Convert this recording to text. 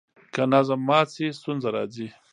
که نظم مات سي ستونزه راځي.